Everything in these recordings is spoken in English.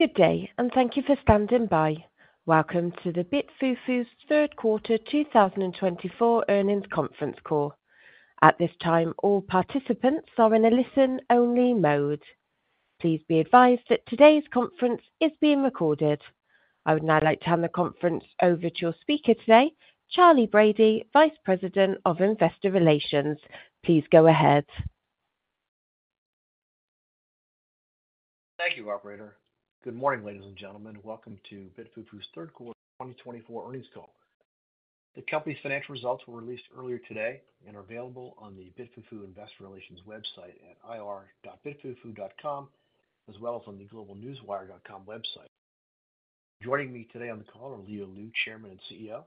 Good day, and thank you for standing by. Welcome to the BitFuFu's third quarter 2024 Earnings Conference Call. At this time, all participants are in a listen-only mode. Please be advised that today's conference is being recorded. I would now like to hand the conference over to your speaker today, Charley Brady, Vice President of Investor Relations. Please go ahead. Thank you, Operator. Good morning, ladies and gentlemen. Welcome to BitFuFu's third quarter 2024 Earnings Call. The company's financial results were released earlier today and are available on the BitFuFu Investor Relations website at ir.bitfufu.com, as well as on the globenewswire.com website. Joining me today on the call are Leo Lu, Chairman and CEO,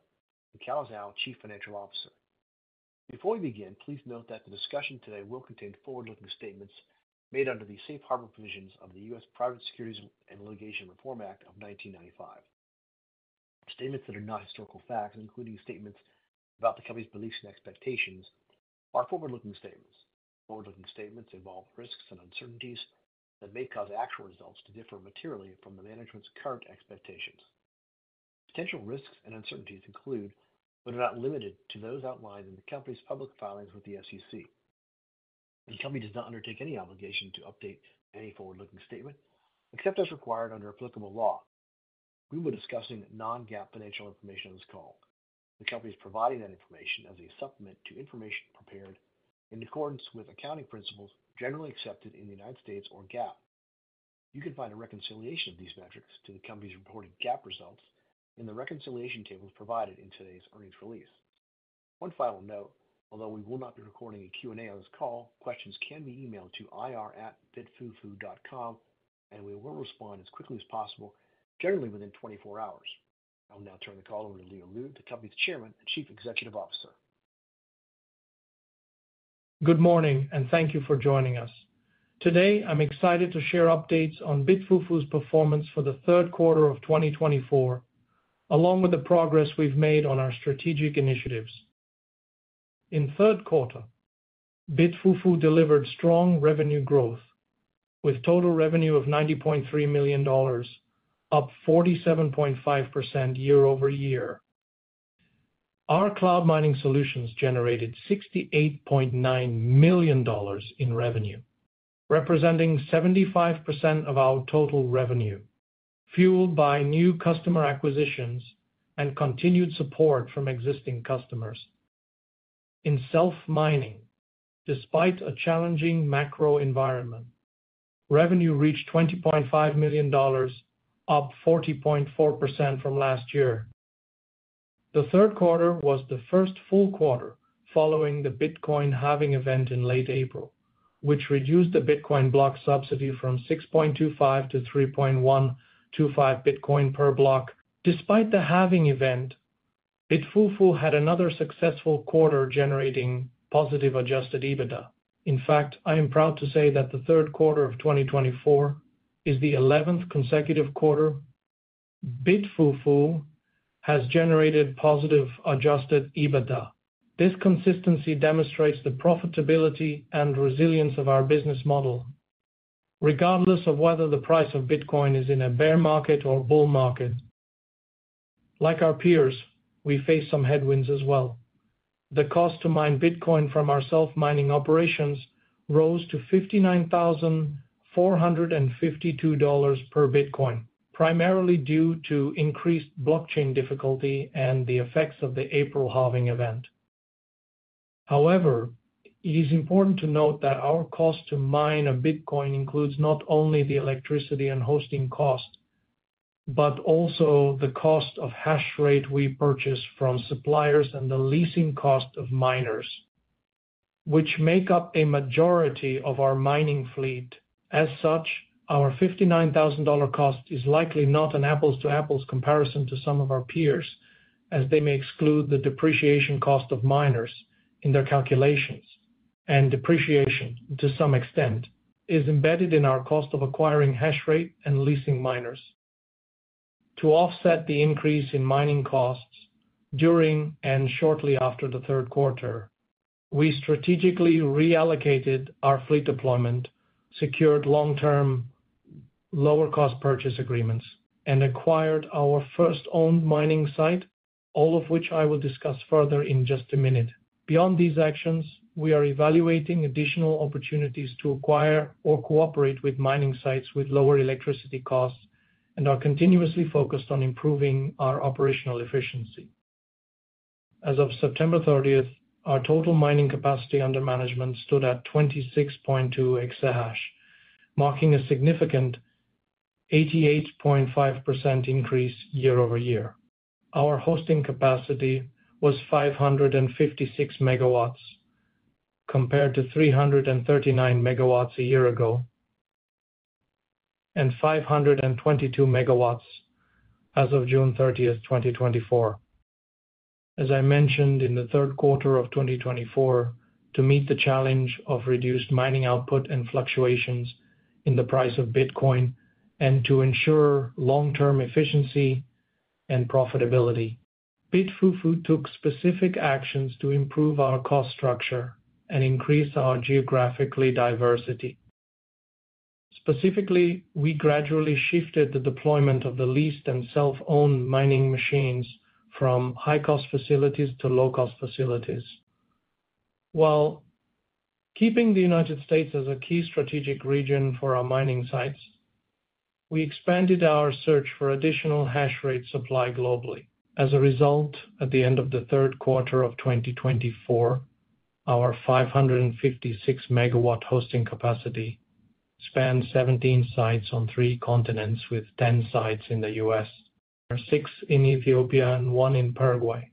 and Calla Zhao, Chief Financial Officer. Before we begin, please note that the discussion today will contain forward-looking statements made under the Safe Harbor Provisions of the U.S. Private Securities and Litigation Reform Act of 1995. Statements that are not historical facts, including statements about the company's beliefs and expectations, are forward-looking statements. Forward-looking statements involve risks and uncertainties that may cause actual results to differ materially from the management's current expectations. Potential risks and uncertainties include, but are not limited to, those outlined in the company's public filings with the SEC. The company does not undertake any obligation to update any forward-looking statement, except as required under applicable law. We will be discussing non-GAAP financial information on this call. The company is providing that information as a supplement to information prepared in accordance with accounting principles generally accepted in the United States or GAAP. You can find a reconciliation of these metrics to the company's reported GAAP results in the reconciliation tables provided in today's earnings release. One final note: although we will not be recording a Q&A on this call, questions can be emailed to ir.bitfufu.com, and we will respond as quickly as possible, generally within 24 hours. I will now turn the call over to Leo Lu, the Company's Chairman and Chief Executive Officer. Good morning, and thank you for joining us. Today, I'm excited to share updates on BitFuFu's performance for the third quarter of 2024, along with the progress we've made on our strategic initiatives. In the third quarter, BitFuFu delivered strong revenue growth, with total revenue of $90.3 million, up 47.5% year-over-year. Our cloud mining solutions generated $68.9 million in revenue, representing 75% of our total revenue, fueled by new customer acquisitions and continued support from existing customers. In self-mining, despite a challenging macro environment, revenue reached $20.5 million, up 40.4% from last year. The third quarter was the first full quarter following the Bitcoin halving event in late April, which reduced the Bitcoin block subsidy from 6.25 to 3.125 Bitcoin per block. Despite the halving event, BitFuFu had another successful quarter generating positive Adjusted EBITDA. In fact, I am proud to say that the third quarter of 2024 is the 11th consecutive quarter BitFuFu has generated positive Adjusted EBITDA. This consistency demonstrates the profitability and resilience of our business model, regardless of whether the price of Bitcoin is in a bear market or bull market. Like our peers, we face some headwinds as well. The cost to mine Bitcoin from our self-mining operations rose to $59,452 per Bitcoin, primarily due to increased blockchain difficulty and the effects of the April halving event. However, it is important to note that our cost to mine a Bitcoin includes not only the electricity and hosting cost, but also the cost of hash rate we purchase from suppliers and the leasing cost of miners, which make up a majority of our mining fleet. As such, our $59,000 cost is likely not an apples-to-apples comparison to some of our peers, as they may exclude the depreciation cost of miners in their calculations, and depreciation, to some extent, is embedded in our cost of acquiring hash rate and leasing miners. To offset the increase in mining costs during and shortly after the third quarter, we strategically reallocated our fleet deployment, secured long-term lower-cost purchase agreements, and acquired our first owned mining site, all of which I will discuss further in just a minute. Beyond these actions, we are evaluating additional opportunities to acquire or cooperate with mining sites with lower electricity costs and are continuously focused on improving our operational efficiency. As of September 30th, our total mining capacity under management stood at 26.2 exahash, marking a significant 88.5% increase year-over-year. Our hosting capacity was 556 MW, compared to 339 MW a year ago and 522 MW as of June 30th, 2024. As I mentioned, in the third quarter of 2024, to meet the challenge of reduced mining output and fluctuations in the price of Bitcoin and to ensure long-term efficiency and profitability, BitFuFu took specific actions to improve our cost structure and increase our geographic diversity. Specifically, we gradually shifted the deployment of the leased and self-owned mining machines from high-cost facilities to low-cost facilities. While keeping the United States as a key strategic region for our mining sites, we expanded our search for additional hash rate supply globally. As a result, at the end of the third quarter of 2024, our 556 MW hosting capacity spanned 17 sites on three continents, with 10 sites in the U.S., six in Ethiopia, and one in Paraguay.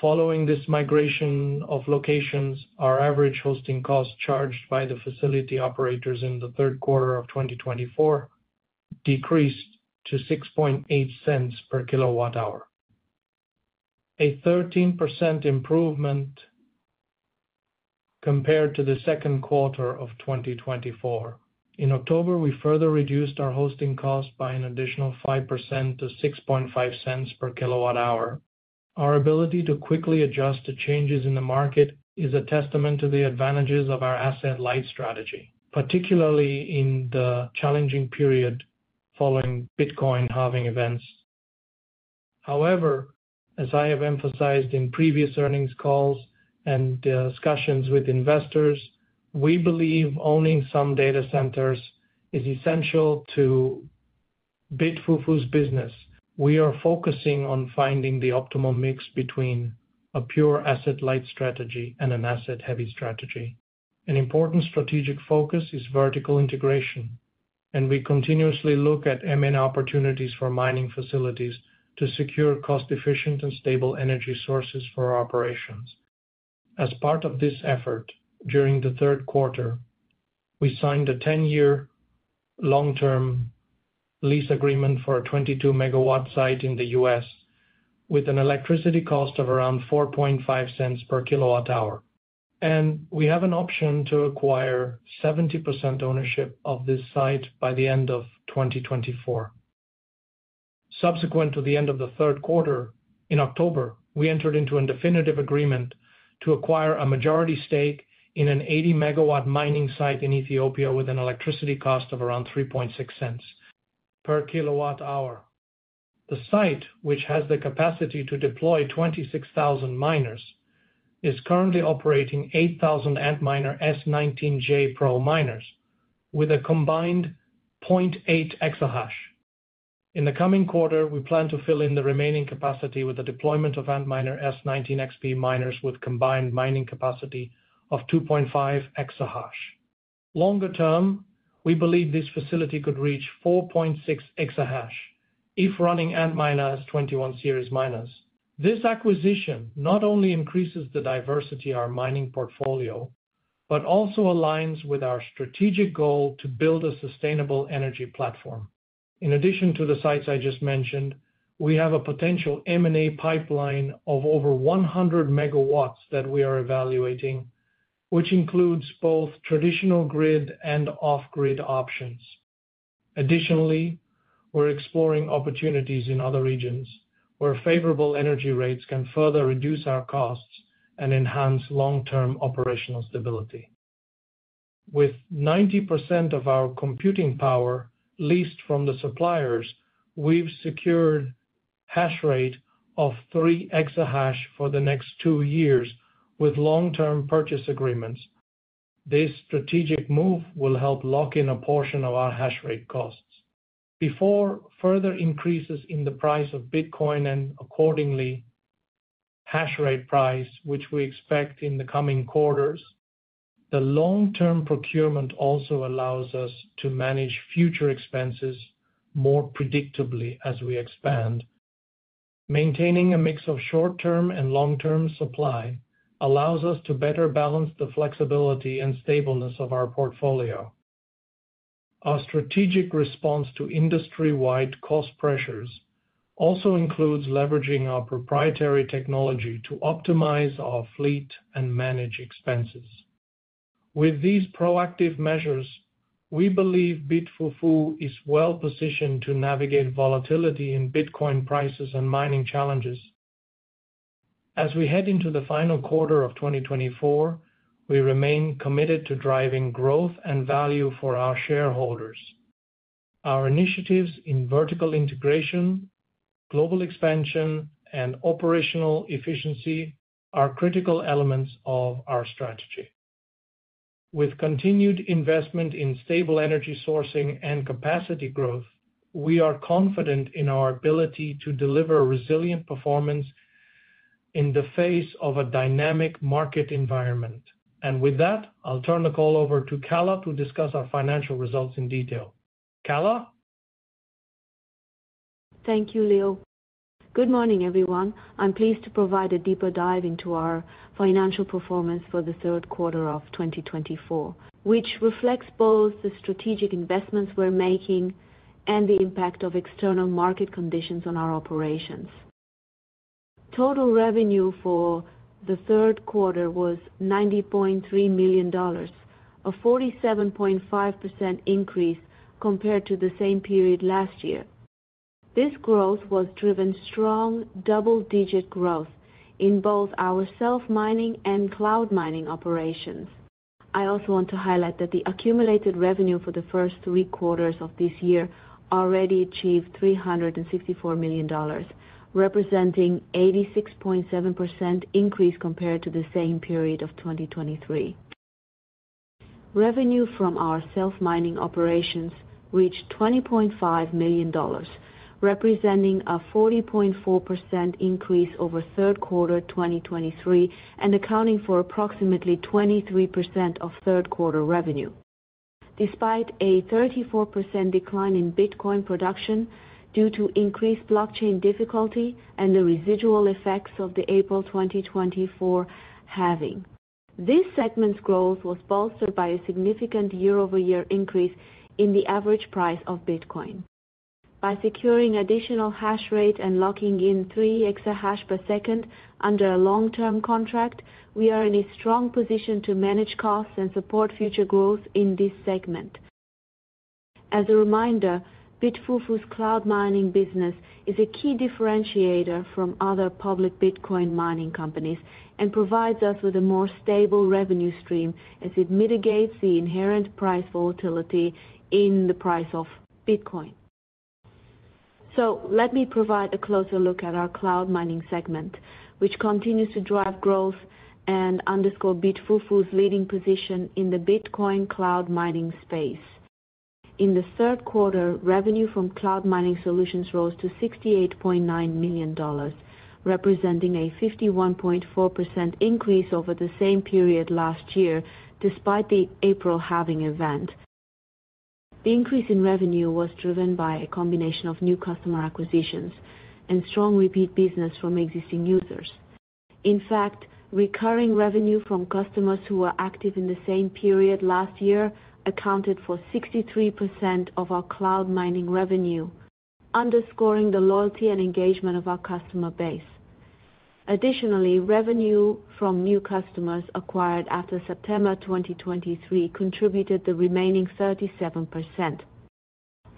Following this migration of locations, our average hosting cost charged by the facility operators in the third quarter of 2024 decreased to $0.068 per kWh, a 13% improvement compared to the second quarter of 2024. In October, we further reduced our hosting cost by an additional 5% to $0.065 per kWh. Our ability to quickly adjust to changes in the market is a testament to the advantages of our asset-light strategy, particularly in the challenging period following Bitcoin halving events. However, as I have emphasized in previous earnings calls and discussions with investors, we believe owning some data centers is essential to BitFuFu's business. We are focusing on finding the optimal mix between a pure asset light strategy and an asset-heavy strategy. An important strategic focus is vertical integration, and we continuously look at M&A opportunities for mining facilities to secure cost-efficient and stable energy sources for our operations. As part of this effort, during the third quarter, we signed a 10-year long-term lease agreement for a 22 MW site in the U.S., with an electricity cost of around $0.045 per kWh, and we have an option to acquire 70% ownership of this site by the end of 2024. Subsequent to the end of the third quarter, in October, we entered into a definitive agreement to acquire a majority stake in an 80 MW mining site in Ethiopia with an electricity cost of around $0.036 per kWh. The site, which has the capacity to deploy 26,000 miners, is currently operating 8,000 Antminer S19j Pro miners with a combined 0.8 exahash. In the coming quarter, we plan to fill in the remaining capacity with the deployment of Antminer S19 XP miners with a combined mining capacity of 2.5 exahash. Longer term, we believe this facility could reach 4.6 exahash if running Antminer S21 series miners. This acquisition not only increases the diversity of our mining portfolio but also aligns with our strategic goal to build a sustainable energy platform. In addition to the sites I just mentioned, we have a potential M&A pipeline of over 100 MW that we are evaluating, which includes both traditional grid and off-grid options. Additionally, we're exploring opportunities in other regions where favorable energy rates can further reduce our costs and enhance long-term operational stability. With 90% of our computing power leased from the suppliers, we've secured a hash rate of three exahash for the next two years with long-term purchase agreements. This strategic move will help lock in a portion of our hash rate costs. Before further increases in the price of Bitcoin and, accordingly, hash rate price, which we expect in the coming quarters, the long-term procurement also allows us to manage future expenses more predictably as we expand. Maintaining a mix of short-term and long-term supply allows us to better balance the flexibility and stableness of our portfolio. Our strategic response to industry-wide cost pressures also includes leveraging our proprietary technology to optimize our fleet and manage expenses. With these proactive measures, we believe BitFuFu is well-positioned to navigate volatility in Bitcoin prices and mining challenges. As we head into the final quarter of 2024, we remain committed to driving growth and value for our shareholders. Our initiatives in vertical integration, global expansion, and operational efficiency are critical elements of our strategy. With continued investment in stable energy sourcing and capacity growth, we are confident in our ability to deliver resilient performance in the face of a dynamic market environment. And with that, I'll turn the call over to Calla to discuss our financial results in detail. Calla? Thank you, Leo. Good morning, everyone. I'm pleased to provide a deeper dive into our financial performance for the third quarter of 2024, which reflects both the strategic investments we're making and the impact of external market conditions on our operations. Total revenue for the third quarter was $90.3 million, a 47.5% increase compared to the same period last year. This growth was driven by strong double-digit growth in both our self-mining and cloud mining operations. I also want to highlight that the accumulated revenue for the first three quarters of this year already achieved $364 million, representing an 86.7% increase compared to the same period of 2023. Revenue from our self-mining operations reached $20.5 million, representing a 40.4% increase over third quarter 2023 and accounting for approximately 23% of third quarter revenue. Despite a 34% decline in Bitcoin production due to increased blockchain difficulty and the residual effects of the April 2024 halving, this segment's growth was bolstered by a significant year-over-year increase in the average price of Bitcoin. By securing additional hash rate and locking in three exahash per second under a long-term contract, we are in a strong position to manage costs and support future growth in this segment. As a reminder, BitFuFu's cloud mining business is a key differentiator from other public Bitcoin mining companies and provides us with a more stable revenue stream as it mitigates the inherent price volatility in the price of Bitcoin. So, let me provide a closer look at our cloud mining segment, which continues to drive growth and underscore BitFuFu's leading position in the Bitcoin cloud mining space. In the third quarter, revenue from cloud mining solutions rose to $68.9 million, representing a 51.4% increase over the same period last year despite the April halving event. The increase in revenue was driven by a combination of new customer acquisitions and strong repeat business from existing users. In fact, recurring revenue from customers who were active in the same period last year accounted for 63% of our cloud mining revenue, underscoring the loyalty and engagement of our customer base. Additionally, revenue from new customers acquired after September 2023 contributed the remaining 37%.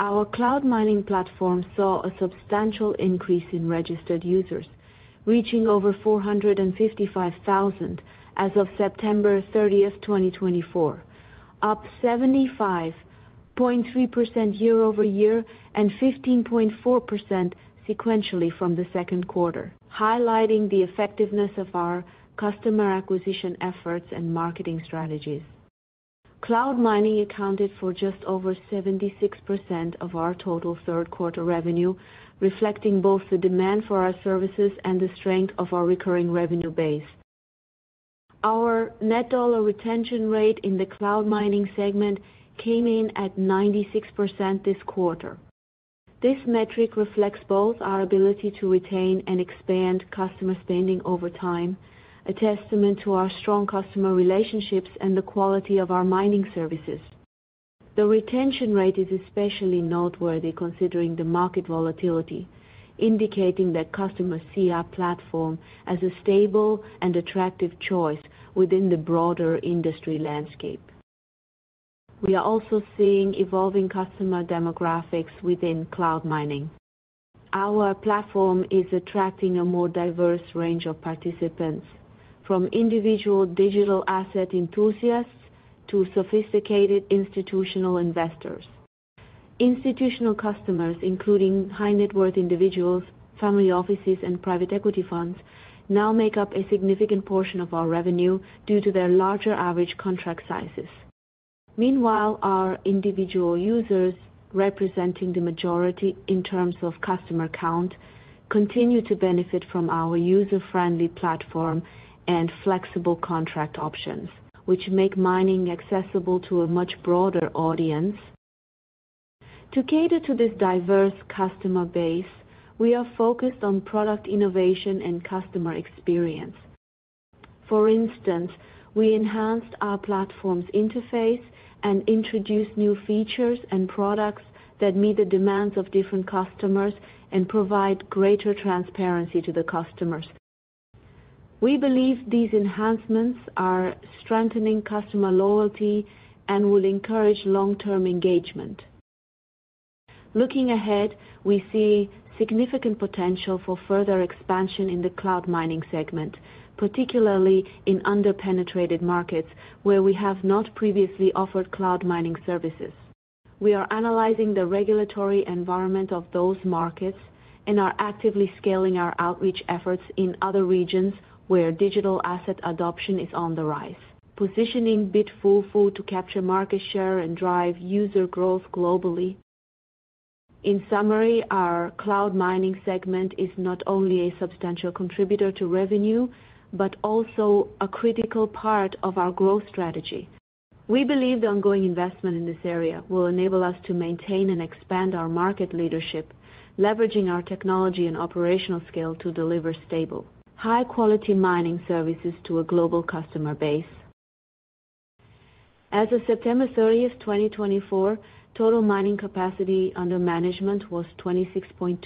Our cloud mining platform saw a substantial increase in registered users, reaching over 455,000 as of September 30th, 2024, up 75.3% year-over-year and 15.4% sequentially from the second quarter, highlighting the effectiveness of our customer acquisition efforts and marketing strategies. Cloud mining accounted for just over 76% of our total third quarter revenue, reflecting both the demand for our services and the strength of our recurring revenue base. Our net dollar retention rate in the cloud mining segment came in at 96% this quarter. This metric reflects both our ability to retain and expand customer spending over time, a testament to our strong customer relationships and the quality of our mining services. The retention rate is especially noteworthy considering the market volatility, indicating that customers see our platform as a stable and attractive choice within the broader industry landscape. We are also seeing evolving customer demographics within cloud mining. Our platform is attracting a more diverse range of participants, from individual digital asset enthusiasts to sophisticated institutional investors. Institutional customers, including high-net-worth individuals, family offices, and private equity funds, now make up a significant portion of our revenue due to their larger average contract sizes. Meanwhile, our individual users, representing the majority in terms of customer count, continue to benefit from our user-friendly platform and flexible contract options, which make mining accessible to a much broader audience. To cater to this diverse customer base, we are focused on product innovation and customer experience. For instance, we enhanced our platform's interface and introduced new features and products that meet the demands of different customers and provide greater transparency to the customers. We believe these enhancements are strengthening customer loyalty and will encourage long-term engagement. Looking ahead, we see significant potential for further expansion in the cloud mining segment, particularly in under-penetrated markets where we have not previously offered cloud mining services. We are analyzing the regulatory environment of those markets and are actively scaling our outreach efforts in other regions where digital asset adoption is on the rise, positioning BitFuFu to capture market share and drive user growth globally. In summary, our cloud mining segment is not only a substantial contributor to revenue but also a critical part of our growth strategy. We believe the ongoing investment in this area will enable us to maintain and expand our market leadership, leveraging our technology and operational scale to deliver stable, high-quality mining services to a global customer base. As of September 30th, 2024, total mining capacity under management was 26.2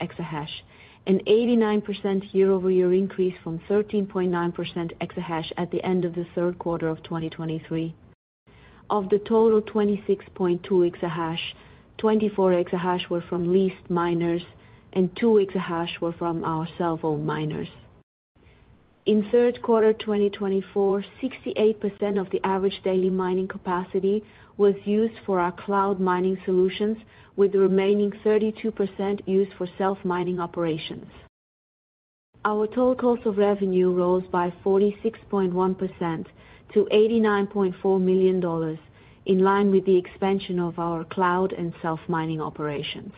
exahash, an 89% year-over-year increase from 13.9 exahash at the end of the third quarter of 2023. Of the total 26.2 exahash, 24 exahash were from leased miners, and two exahash were from our self-owned miners. In third quarter 2024, 68% of the average daily mining capacity was used for our cloud mining solutions, with the remaining 32% used for self-mining operations. Our total cost of revenue rose by 46.1% to $89.4 million, in line with the expansion of our cloud and self-mining operations.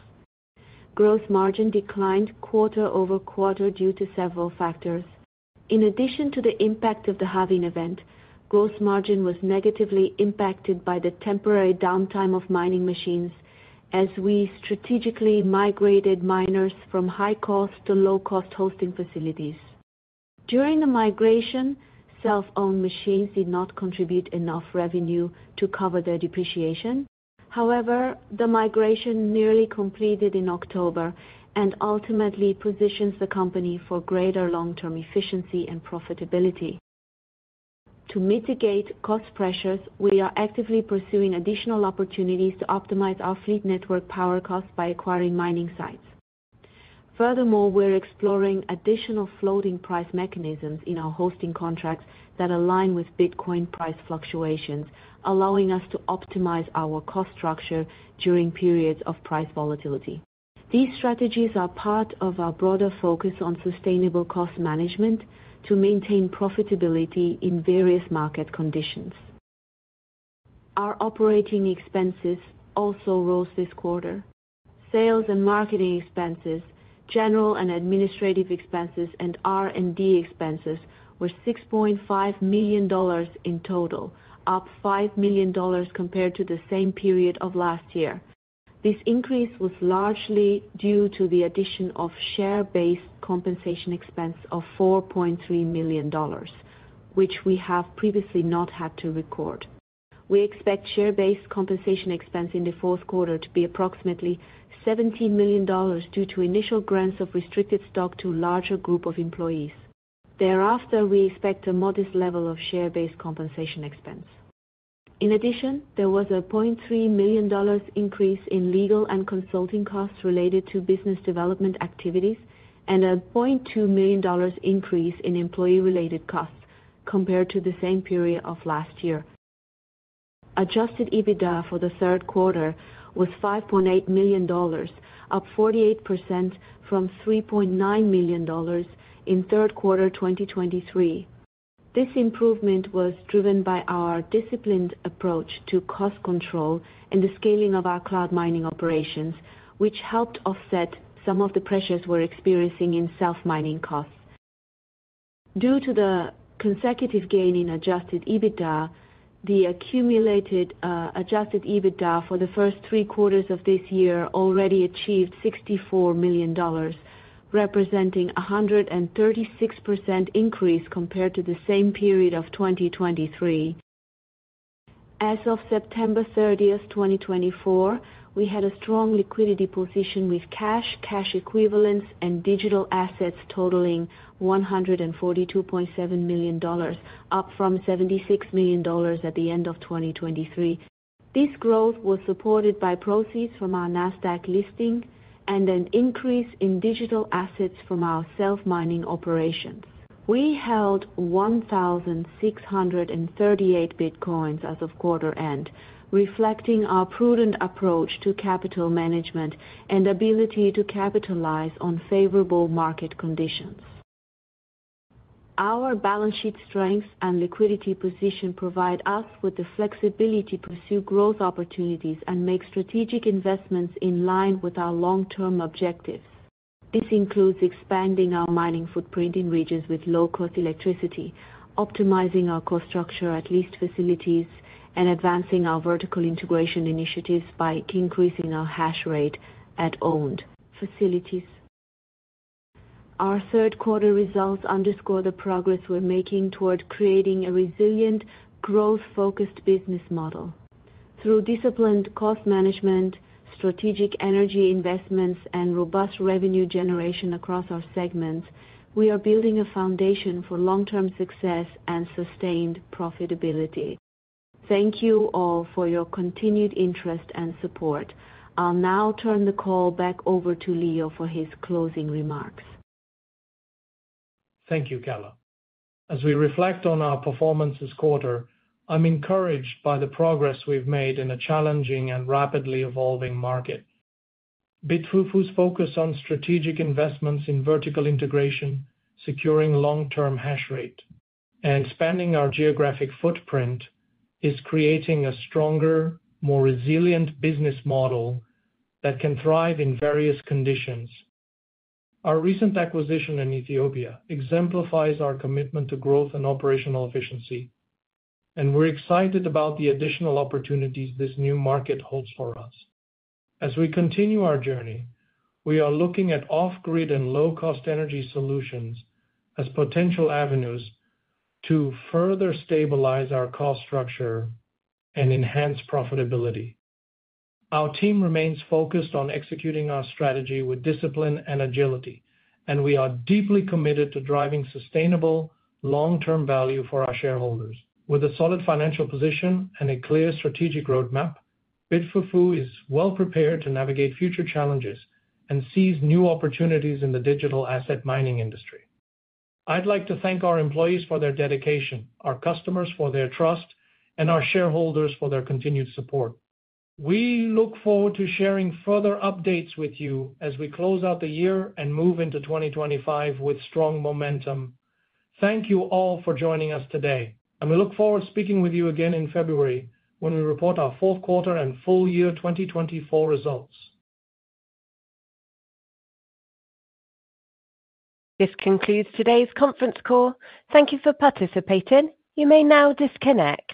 Gross margin declined quarter over quarter due to several factors. In addition to the impact of the halving event, gross margin was negatively impacted by the temporary downtime of mining machines as we strategically migrated miners from high-cost to low-cost hosting facilities. During the migration, self-owned machines did not contribute enough revenue to cover their depreciation. However, the migration nearly completed in October and ultimately positions the company for greater long-term efficiency and profitability. To mitigate cost pressures, we are actively pursuing additional opportunities to optimize our fleet network power costs by acquiring mining sites. Furthermore, we're exploring additional floating price mechanisms in our hosting contracts that align with Bitcoin price fluctuations, allowing us to optimize our cost structure during periods of price volatility. These strategies are part of our broader focus on sustainable cost management to maintain profitability in various market conditions. Our operating expenses also rose this quarter. Sales and marketing expenses, general and administrative expenses, and R&D expenses were $6.5 million in total, up $5 million compared to the same period of last year. This increase was largely due to the addition of share-based compensation expense of $4.3 million, which we have previously not had to record. We expect share-based compensation expense in the Fourth Quarter to be approximately $17 million due to initial grants of restricted stock to a larger group of employees. Thereafter, we expect a modest level of share-based compensation expense. In addition, there was a $0.3 million increase in legal and consulting costs related to business development activities and a $0.2 million increase in employee-related costs compared to the same period of last year. Adjusted EBITDA for the third quarter was $5.8 million, up 48% from $3.9 million in third quarter 2023. This improvement was driven by our disciplined approach to cost control and the scaling of our cloud mining operations, which helped offset some of the pressures we're experiencing in self-mining costs. Due to the consecutive gain in adjusted EBITDA, the accumulated adjusted EBITDA for the first three quarters of this year already achieved $64 million, representing a 136% increase compared to the same period of 2023. As of September 30th, 2024, we had a strong liquidity position with cash, cash equivalents, and digital assets totaling $142.7 million, up from $76 million at the end of 2023. This growth was supported by proceeds from our Nasdaq listing and an increase in digital assets from our self-mining operations. We held 1,638 Bitcoins as of quarter end, reflecting our prudent approach to capital management and ability to capitalize on favorable market conditions. Our balance sheet strengths and liquidity position provide us with the flexibility to pursue growth opportunities and make strategic investments in line with our long-term objectives. This includes expanding our mining footprint in regions with low-cost electricity, optimizing our cost structure at leased facilities, and advancing our vertical integration initiatives by increasing our hash rate at owned facilities. Our third quarter results underscore the progress we're making toward creating a resilient, growth-focused business model. Through disciplined cost management, strategic energy investments, and robust revenue generation across our segments, we are building a foundation for long-term success and sustained profitability. Thank you all for your continued interest and support. I'll now turn the call back over to Leo for his closing remarks. Thank you, Calla. As we reflect on our performance this quarter, I'm encouraged by the progress we've made in a challenging and rapidly evolving market. BitFuFu's focus on strategic investments in vertical integration, securing long-term hash rate, and expanding our geographic footprint is creating a stronger, more resilient business model that can thrive in various conditions. Our recent acquisition in Ethiopia exemplifies our commitment to growth and operational efficiency, and we're excited about the additional opportunities this new market holds for us. As we continue our journey, we are looking at off-grid and low-cost energy solutions as potential avenues to further stabilize our cost structure and enhance profitability. Our team remains focused on executing our strategy with discipline and agility, and we are deeply committed to driving sustainable, long-term value for our shareholders. With a solid financial position and a clear strategic roadmap, BitFuFu is well-prepared to navigate future challenges and seize new opportunities in the digital asset mining industry. I'd like to thank our employees for their dedication, our customers for their trust, and our shareholders for their continued support. We look forward to sharing further updates with you as we close out the year and move into 2025 with strong momentum. Thank you all for joining us today, and we look forward to speaking with you again in February when we report our Fourth Quarter and full year 2024 results. This concludes today's conference call. Thank you for participating. You may now disconnect.